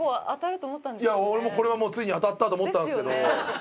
いや俺もこれはもうついに当たったと思ったんですけど。